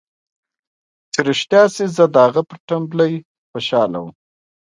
چې رښتيا سي زه د هغه پر ټمبلۍ خوشاله وم.